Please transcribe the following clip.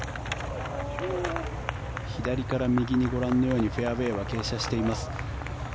左から右にご覧のようにフェアウェーは傾斜しています。